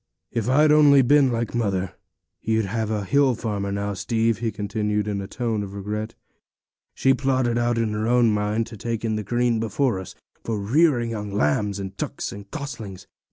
'If I'd only been like mother, you'd have been a hill farmer now, Steve,' he continued, in a tone of regret; 'she plotted out in her own mind to take in the green before us, for rearing young lambs, and ducks, and goslings.